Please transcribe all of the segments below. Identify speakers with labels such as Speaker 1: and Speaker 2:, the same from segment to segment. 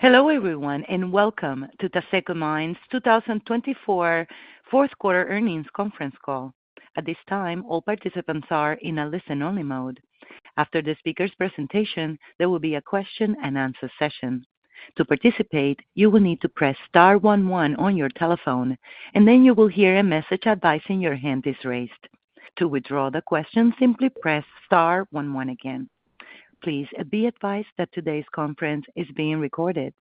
Speaker 1: Hello everyone, and welcome to Taseko Mines' 2024 Fourth Quarter Earnings Conference Call. At this time, all participants are in a listen-only mode. After the speaker's presentation, there will be a question-and-answer session. To participate, you will need to press Star 11 on your telephone, and then you will hear a message advising your hand is raised. To withdraw the question, simply press Star 11 again. Please be advised that today's conference is being recorded.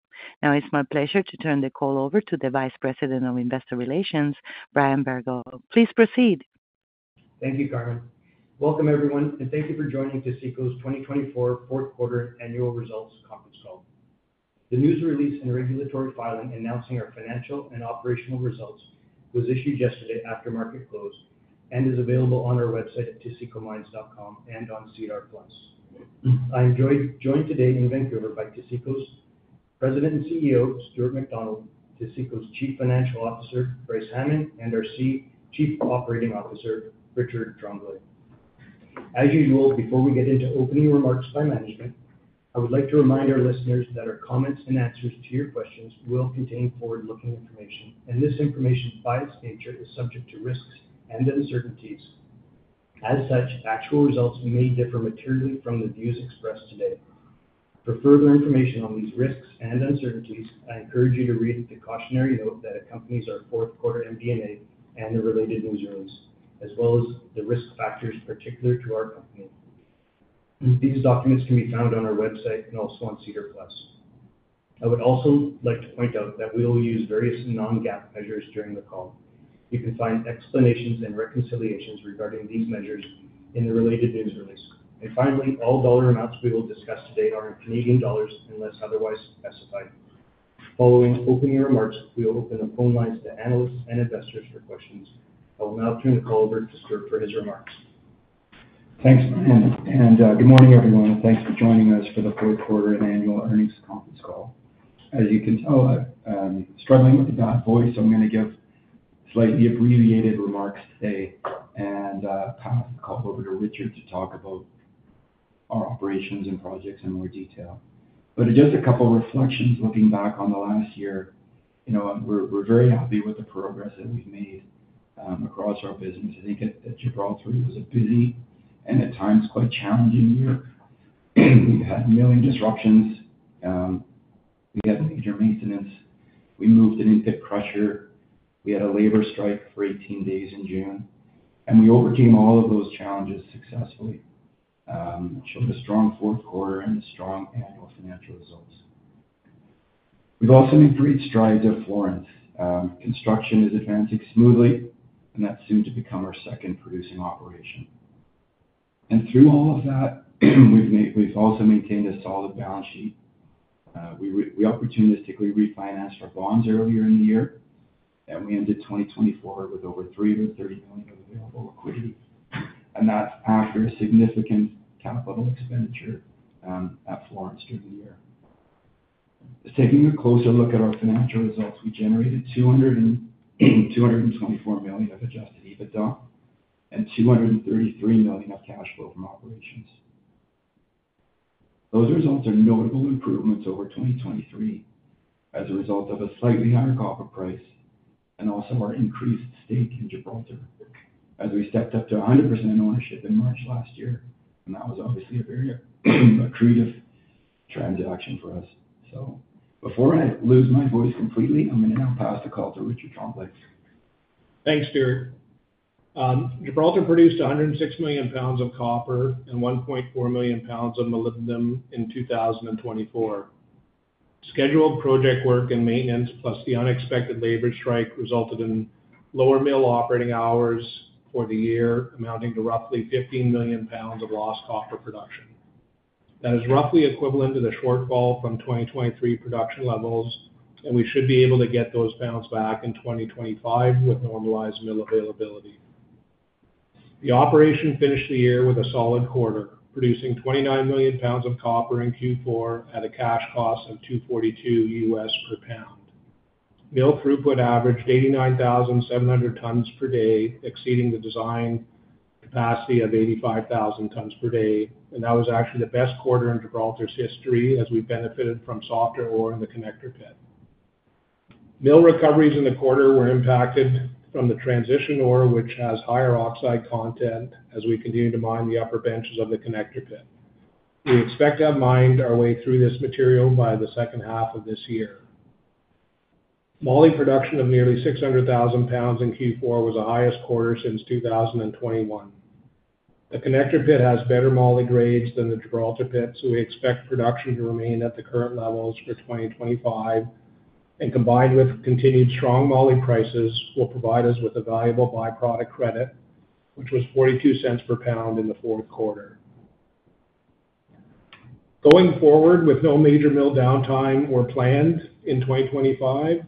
Speaker 1: Now, it's my pleasure to turn the call over to the Vice President of Investor Relations, Brian Bergot. Please proceed.
Speaker 2: Thank you, Carmen. Welcome everyone, and thank you for joining Taseko's 2024 Fourth Quarter Annual Results Conference Call. The news release and regulatory filing announcing our financial and operational results was issued yesterday after market close and is available on our website at tasekomines.com and on SEDAR+. I am joined today in Vancouver by Taseko's President and CEO, Stuart McDonald, Taseko's Chief Financial Officer, Bryce Hamming, and our Chief Operating Officer, Richard Tremblay. As usual, before we get into opening remarks by management, I would like to remind our listeners that our comments and answers to your questions will contain forward-looking information, and this information, by its nature, is subject to risks and uncertainties. As such, actual results may differ materially from the views expressed today. For further information on these risks and uncertainties, I encourage you to read the cautionary note that accompanies our Fourth Quarter MD&A and the related news release, as well as the risk factors particular to our company. These documents can be found on our website and also on SEDAR+. I would also like to point out that we will use various Non-GAAP measures during the call. You can find explanations and reconciliations regarding these measures in the related news release. And finally, all dollar amounts we will discuss today are in Canadian dollars unless otherwise specified. Following opening remarks, we will open the phone lines to analysts and investors for questions. I will now turn the call over to Stuart for his remarks.
Speaker 3: Thanks, Carmen, and good morning everyone, and thanks for joining us for the Fourth Quarter Annual Earnings Conference Call. As you can tell, I'm struggling with a bad voice, so I'm going to give slightly abbreviated remarks today and pass the call over to Richard to talk about our operations and projects in more detail. But just a couple of reflections looking back on the last year. We're very happy with the progress that we've made across our business. I think that Gibraltar was a busy and at times quite challenging year. We've had milling disruptions. We had major maintenance. We moved an in-pit crusher. We had a labor strike for 18 days in June, and we overcame all of those challenges successfully, showed a strong fourth quarter, and strong annual financial results. We've also made great strides at Florence. Construction is advancing smoothly, and that's soon to become our second-producing operation, and through all of that, we've also maintained a solid balance sheet. We opportunistically refinanced our bonds earlier in the year, and we ended 2024 with over 330 million of available liquidity, and that's after a significant capital expenditure at Florence during the year. Taking a closer look at our financial results, we generated 224 million of adjusted EBITDA and 233 million of cash flow from operations. Those results are notable improvements over 2023 as a result of a slightly higher copper price and also our increased stake in Gibraltar as we stepped up to 100% ownership in March last year, and that was obviously a very creative transaction for us, so before I lose my voice completely, I'm going to now pass the call to Richard Tremblay.
Speaker 4: Thanks, Stuart. Gibraltar produced 106 million pounds of copper and 1.4 million pounds of molybdenum in 2024. Scheduled project work and maintenance, plus the unexpected labor strike, resulted in lower mill operating hours for the year, amounting to roughly 15 million pounds of lost copper production. That is roughly equivalent to the shortfall from 2023 production levels, and we should be able to get those pounds back in 2025 with normalized mill availability. The operation finished the year with a solid quarter, producing 29 million pounds of copper in Q4 at a cash cost of $2.42 per pound. Mill throughput averaged 89,700 tons per day, exceeding the design capacity of 85,000 tons per day, and that was actually the best quarter in Gibraltar's history as we benefited from softer ore in the connector pit. Mill recoveries in the quarter were impacted from the transition ore, which has higher oxide content as we continue to mine the upper benches of the Connector Pit. We expect to have mined our way through this material by the second half of this year. Moly production of nearly 600,000 lbs in Q4 was the highest quarter since 2021. The Connector Pit has better moly grades than the Gibraltar Pit, so we expect production to remain at the current levels for 2025, and combined with continued strong moly prices, will provide us with a valuable byproduct credit, which was $0.42 per pound in the fourth quarter. Going forward with no major mill downtime or planned in 2025,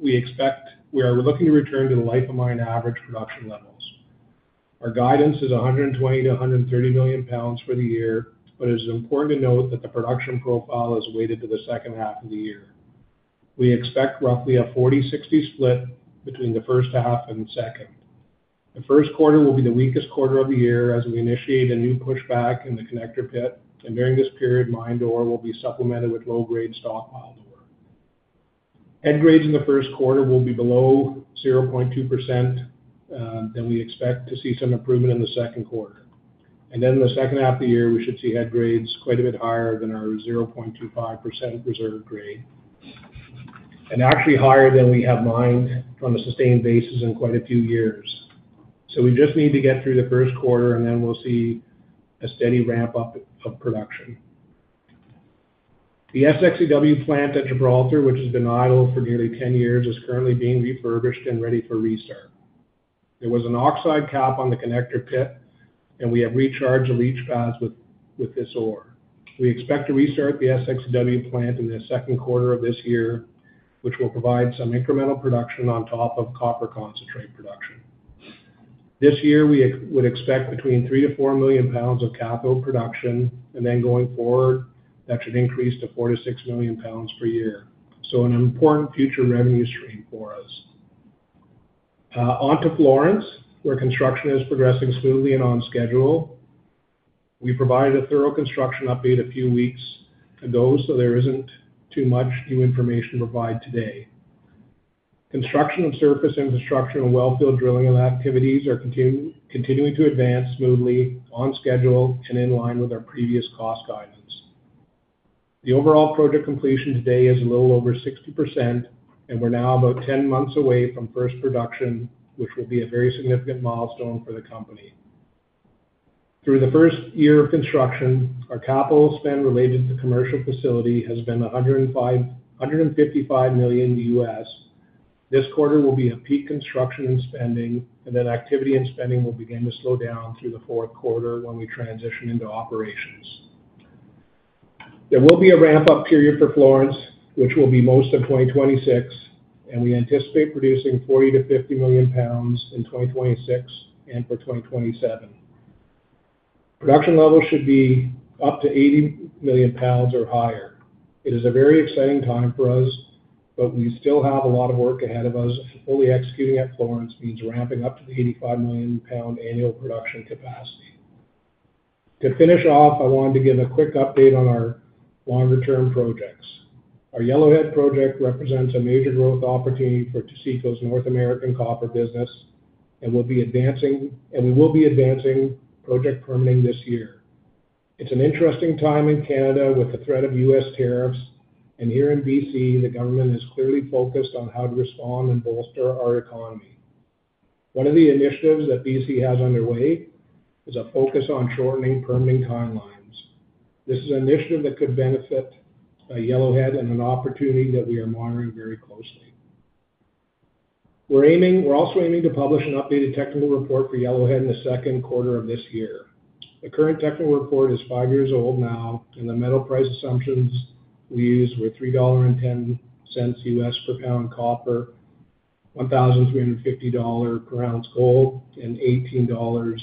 Speaker 4: we are looking to return to the life of mine average production levels. Our guidance is 120-130 million pounds for the year, but it is important to note that the production profile is weighted to the second half of the year. We expect roughly a 40/60 split between the first half and the second. The first quarter will be the weakest quarter of the year as we initiate a new pushback in the connector pit, and during this period, mined ore will be supplemented with low-grade stockpile ore. Head grades in the first quarter will be below 0.2%, then we expect to see some improvement in the second quarter, and then in the second half of the year, we should see head grades quite a bit higher than our 0.25% reserve grade, and actually higher than we have mined from a sustained basis in quite a few years. So we just need to get through the first quarter, and then we'll see a steady ramp up of production. The SX/EW plant at Gibraltar, which has been idle for nearly 10 years, is currently being refurbished and ready for restart. There was an oxide cap on the connector pit, and we have recharged the leach pads with this ore. We expect to restart the SX/EW plant in the second quarter of this year, which will provide some incremental production on top of copper concentrate production. This year, we would expect between 3-4 million pounds of cathode production, and then going forward, that should increase to 4-6 million pounds per year. So an important future revenue stream for us. Onto Florence, where construction is progressing smoothly and on schedule. We provided a thorough construction update a few weeks ago, so there isn't too much new information to provide today. Construction of surface infrastructure and wellfield drilling activities are continuing to advance smoothly, on schedule, and in line with our previous cost guidance. The overall project completion today is a little over 60%, and we're now about 10 months away from first production, which will be a very significant milestone for the company. Through the first year of construction, our capital spend related to the commercial facility has been $155 million. This quarter will be a peak construction and spending, and then activity and spending will begin to slow down through the fourth quarter when we transition into operations. There will be a ramp-up period for Florence, which will be most of 2026, and we anticipate producing 40-50 million pounds in 2026 and for 2027. Production levels should be up to 80 million pounds or higher. It is a very exciting time for us, but we still have a lot of work ahead of us. Fully executing at Florence means ramping up to the 85 million pound annual production capacity. To finish off, I wanted to give a quick update on our longer-term projects. Our Yellowhead project represents a major growth opportunity for Taseko's North American copper business, and we will be advancing project permitting this year. It's an interesting time in Canada with the threat of U.S. tariffs, and here in BC, the government is clearly focused on how to respond and bolster our economy. One of the initiatives that BC has underway is a focus on shortening permitting timelines. This is an initiative that could benefit Yellowhead and an opportunity that we are monitoring very closely. We're also aiming to publish an updated technical report for Yellowhead in the second quarter of this year. The current technical report is five years old now, and the metal price assumptions we use were $3.10 per pound copper, $1,350 per ounce gold, and $18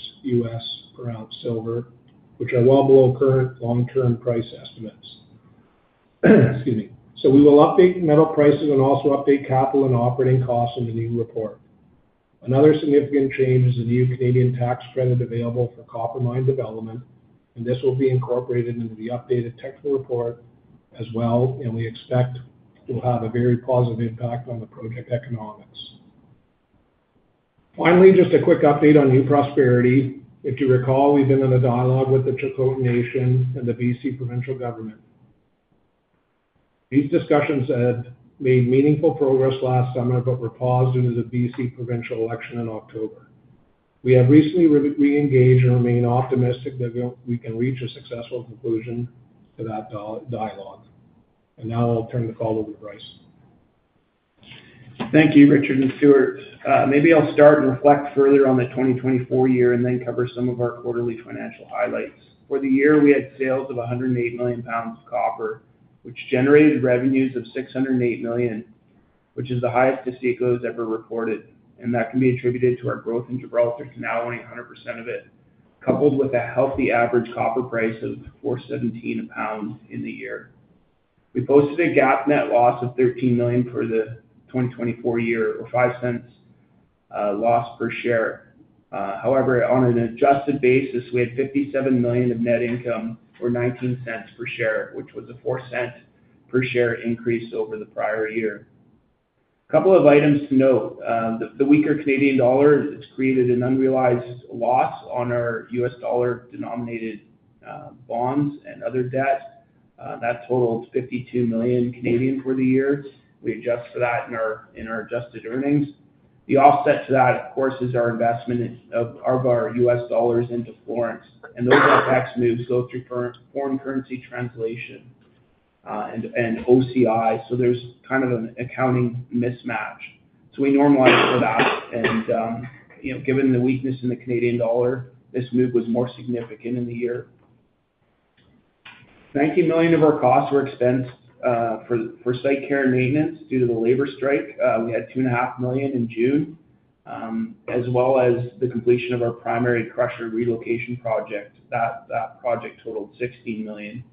Speaker 4: per ounce silver, which are well below current long-term price estimates. Excuse me. So we will update metal prices and also update capital and operating costs in the new report. Another significant change is the new Canadian tax credit available for copper mine development, and this will be incorporated into the updated technical report as well, and we expect it will have a very positive impact on the project economics. Finally, just a quick update on New Prosperity. If you recall, we've been in a dialogue with the Tŝilhqot'in Nation and the BC provincial government. These discussions had made meaningful progress last summer, but were paused due to the BC provincial election in October. We have recently re-engaged and remain optimistic that we can reach a successful conclusion to that dialogue. And now I'll turn the call over to Bryce.
Speaker 5: Thank you, Richard and Stuart. Maybe I'll start and reflect further on the 2024 year and then cover some of our quarterly financial highlights. For the year, we had sales of 108 million pounds of copper, which generated revenues of 608 million, which is the highest Taseko has ever reported, and that can be attributed to our growth in Gibraltar to now owning 100% of it, coupled with a healthy average copper price of 4.17 a pound in the year. We posted a GAAP net loss of 13 million for the 2024 year, or 0.05 loss per share. However, on an adjusted basis, we had 57 million of net income, or 0.19 per share, which was a 0.04 per share increase over the prior year. A couple of items to note. The weaker Canadian dollar has created an unrealized loss on our US dollar-denominated bonds and other debt. That totaled 52 million for the year. We adjusted that in our adjusted earnings. The offset to that, of course, is our investment of our US dollars into Florence, and those are tax moves go through foreign currency translation and OCI, so there's kind of an accounting mismatch. So we normalized for that, and given the weakness in the Canadian dollar, this move was more significant in the year. 19 million of our costs were expensed for site care and maintenance due to the labor strike. We had 2.5 million in June, as well as the completion of our primary crusher relocation project. That project totaled 16 million.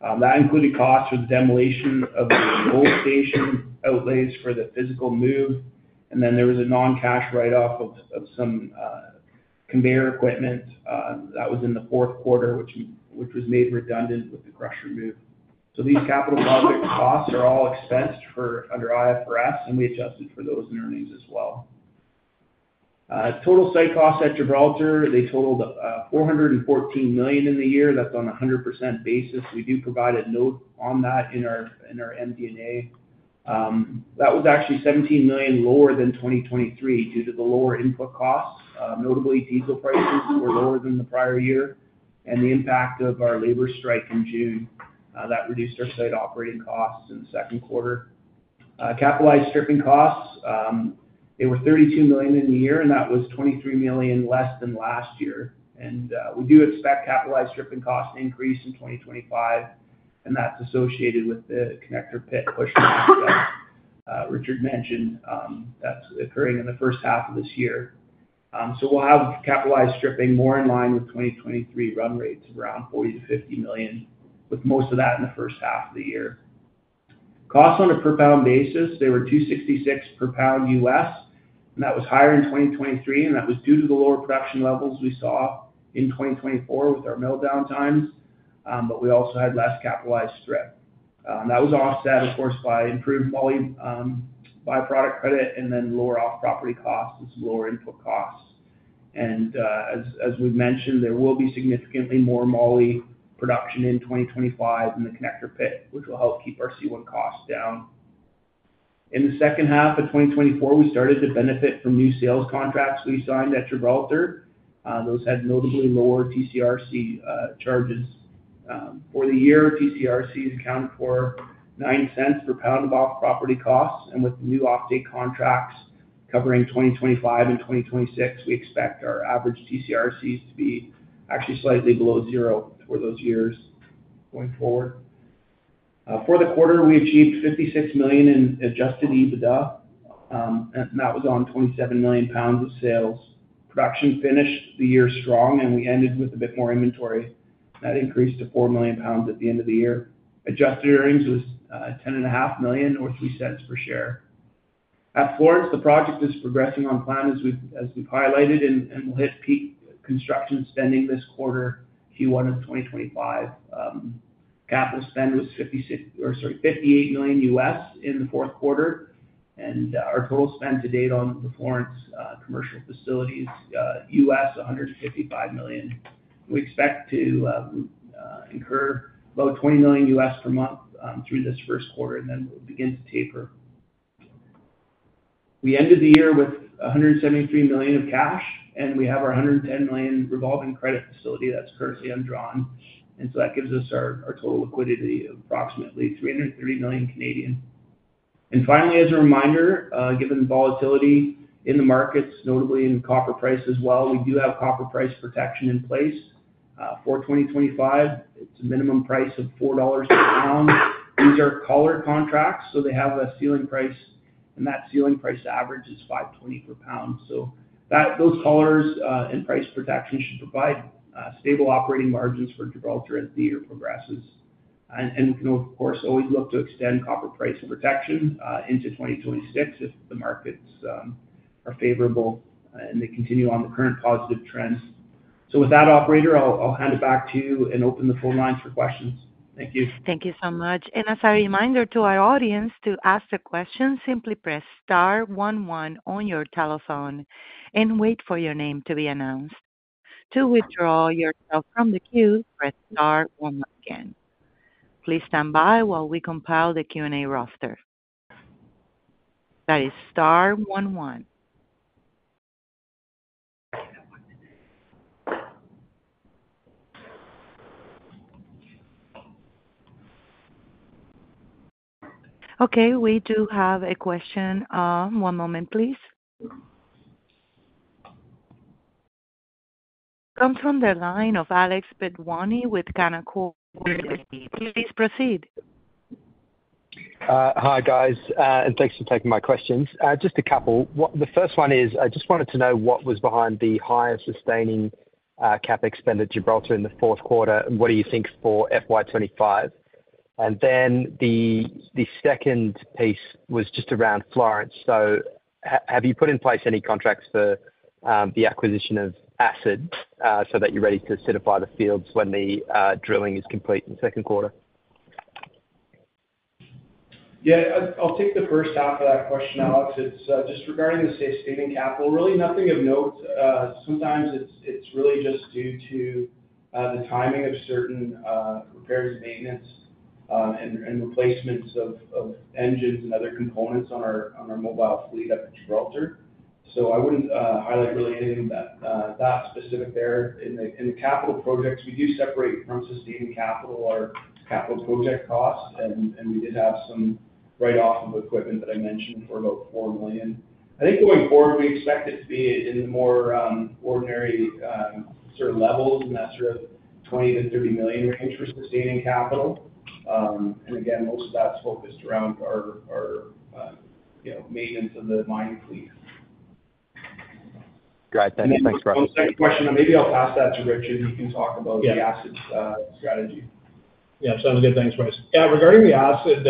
Speaker 5: That included costs for the demolition of the old station outlays for the physical move, and then there was a non-cash write-off of some conveyor equipment that was in the fourth quarter, which was made redundant with the crusher move so these capital project costs are all expensed under IFRS, and we adjusted for those in earnings as well. Total site costs at Gibraltar, they totaled 414 million in the year. That's on a 100% basis. We do provide a note on that in our MD&A. That was actually 17 million lower than 2023 due to the lower input costs. Notably, diesel prices were lower than the prior year, and the impact of our labor strike in June, that reduced our site operating costs in the second quarter. Capitalized stripping costs, they were 32 million in the year, and that was 23 million less than last year. We do expect capitalized stripping costs to increase in 2025, and that's associated with the connector pit pushback that Richard mentioned. That's occurring in the first half of this year. We'll have capitalized stripping more in line with 2023 run rates of around 40 million-50 million, with most of that in the first half of the year. Costs on a per pound basis, they were $2.66 per pound, and that was higher in 2023, and that was due to the lower production levels we saw in 2024 with our mill downtimes, but we also had less capitalized strip. That was offset, of course, by improved moly byproduct credit and then lower off-property costs and some lower input costs. As we've mentioned, there will be significantly more moly production in 2025 in the Connector Pit, which will help keep our C1 costs down. In the second half of 2024, we started to benefit from new sales contracts we signed at Gibraltar. Those had notably lower TC/RC charges. For the year, TC/RCs accounted for 0.09 per pound of off-property costs, and with new offtake contracts covering 2025 and 2026, we expect our average TC/RCs to be actually slightly below zero for those years going forward. For the quarter, we achieved 56 million in Adjusted EBITDA, and that was on 27 million pounds of sales. Production finished the year strong, and we ended with a bit more inventory. That increased to 4 million pounds at the end of the year. Adjusted earnings was 10.5 million, or 0.03 per share. At Florence, the project is progressing on plan as we've highlighted, and we'll hit peak construction spending this quarter, Q1 of 2025. Capital spend was $58 million in the fourth quarter, and our total spend to date on the Florence commercial facilities $155 million. We expect to incur about $20 million per month through this first quarter, and then we'll begin to taper. We ended the year with 173 million of cash, and we have our 110 million revolving credit facility that's currently undrawn, and so that gives us our total liquidity of approximately 330 million. And finally, as a reminder, given the volatility in the markets, notably in copper price as well, we do have copper price protection in place. For 2025, it's a minimum price of 4 dollars per pound. These are collared contracts, so they have a ceiling price, and that ceiling price average is 5.20 per pound. So those collars and price protection should provide stable operating margins for Gibraltar as the year progresses. And we can, of course, always look to extend copper price protection into 2026 if the markets are favorable and they continue on the current positive trends. So with that, operator, I'll hand it back to you and open the phone lines for questions. Thank you.
Speaker 1: Thank you so much. And as a reminder to our audience to ask the question, simply press star one one on your telephone and wait for your name to be announced. To withdraw yourself from the queue, press star one one again. Please stand by while we compile the Q&A roster. That is star one one. Okay, we do have a question. One moment, please. Comes from the line of Alex Bedwany with Canaccord Genuity. Please proceed.
Speaker 6: Hi guys, and thanks for taking my questions. Just a couple. The first one is, I just wanted to know what was behind the higher sustaining capital expenditure in Gibraltar in the fourth quarter, and what do you think for FY25? And then the second piece was just around Florence. So have you put in place any contracts for the acquisition of acid so that you're ready to certify the wellfields when the drilling is complete in the second quarter?
Speaker 5: Yeah, I'll take the first half of that question, Alex. It's just regarding the sustaining capital. Really nothing of note. Sometimes it's really just due to the timing of certain repairs and maintenance and replacements of engines and other components on our mobile fleet up in Gibraltar. So I wouldn't highlight really anything that specific there. In the capital projects, we do separate from sustaining capital our capital project costs, and we did have some write-off of equipment that I mentioned for about 4 million. I think going forward, we expect it to be in the more ordinary sort of levels in that sort of 20 million-30 million range for sustaining capital. And again, most of that's focused around our maintenance of the mine fleet.
Speaker 6: Great. Thanks, Bryce.
Speaker 5: Second question, maybe I'll pass that to Richard. He can talk about the asset strategy.
Speaker 4: Yeah, sounds good. Thanks, Bryce. Yeah, regarding acid,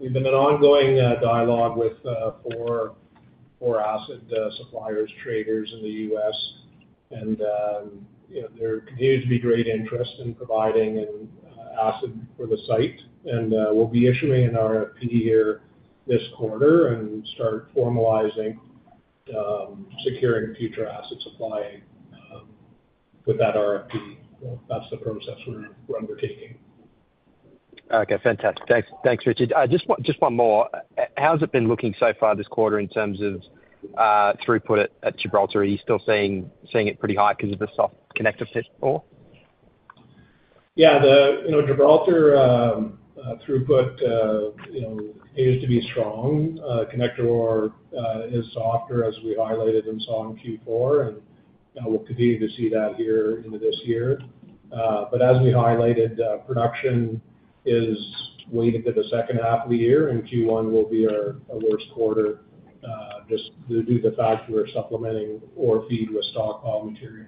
Speaker 4: we've been in ongoing dialogue with four acid suppliers, traders in the U.S., and there continues to be great interest in providing acid for the site. And we'll be issuing an RFP here this quarter and start formalizing securing future acid supply with that RFP. That's the process we're undertaking.
Speaker 6: Okay, fantastic. Thanks, Richard. Just one more. How's it been looking so far this quarter in terms of throughput at Gibraltar? Are you still seeing it pretty high because of the soft Connector Pit ore?
Speaker 4: Yeah, the Gibraltar throughput continues to be strong. Connector ore is softer, as we highlighted and saw in Q4, and we'll continue to see that here into this year. But as we highlighted, production is waiting for the second half of the year, and Q1 will be our worst quarter just due to the fact we're supplementing ore feed with stockpile material.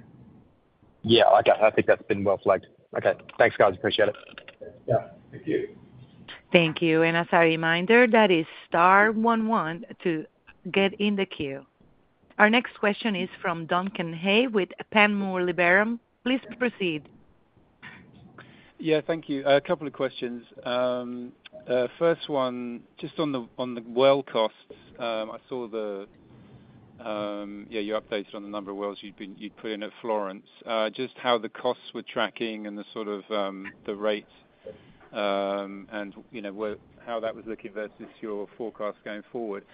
Speaker 6: Yeah, I think that's been well flagged. Okay, thanks guys. Appreciate it.
Speaker 4: Yeah, thank you.
Speaker 1: Thank you. And as a reminder, that is star one one to get in the queue. Our next question is from Duncan Hay with Panmure Liberum. Please proceed.
Speaker 7: Yeah, thank you. A couple of questions. First one, just on the well costs. I saw the, yeah, you're updated on the number of wells you'd put in at Florence, just how the costs were tracking and the sort of the rates and how that was looking versus your forecast going forward.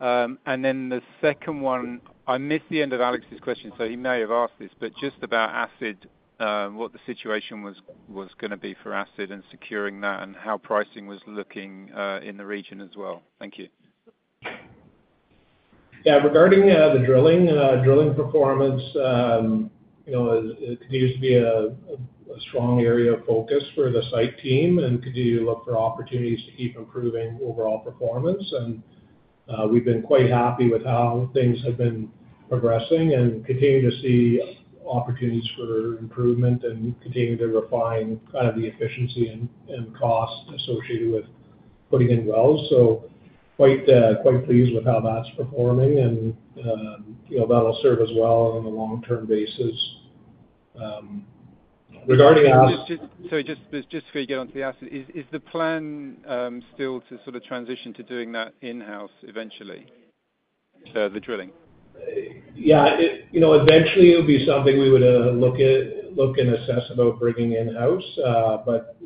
Speaker 7: And then the second one, I missed the end of Alex's question, so he may have asked this, but just about acid, what the situation was going to be for acid and securing that and how pricing was looking in the region as well. Thank you.
Speaker 4: Yeah, regarding the drilling, drilling performance continues to be a strong area of focus for the site team and continues to look for opportunities to keep improving overall performance. And we've been quite happy with how things have been progressing and continue to see opportunities for improvement and continue to refine kind of the efficiency and cost associated with putting in wells. So quite pleased with how that's performing, and that'll serve us well on a long-term basis. Regarding acid.
Speaker 7: So just before you get onto the acid, is the plan still to sort of transition to doing that in-house eventually for the drilling?
Speaker 4: Yeah, eventually it would be something we would look at and assess about bringing in-house, but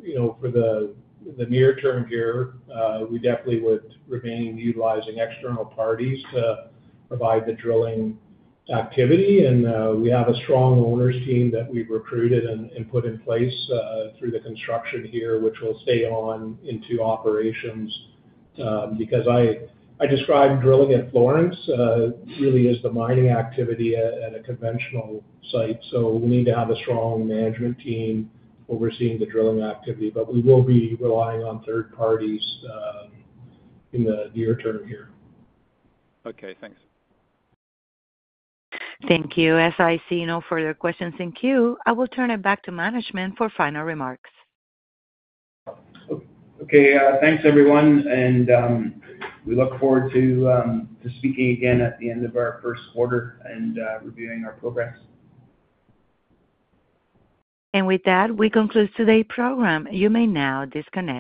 Speaker 4: for the near-term here, we definitely would remain utilizing external parties to provide the drilling activity. And we have a strong owners team that we've recruited and put in place through the construction here, which will stay on into operations. Because I described drilling at Florence, really is the mining activity at a conventional site. So we need to have a strong management team overseeing the drilling activity, but we will be relying on third parties in the near-term here.
Speaker 7: Okay, thanks.
Speaker 1: Thank you. As I see no further questions in queue, I will turn it back to management for final remarks.
Speaker 4: Okay, thanks everyone, and we look forward to speaking again at the end of our first quarter and reviewing our progress.
Speaker 1: With that, we conclude today's program. You may now disconnect.